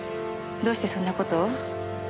どうしてそんな事を？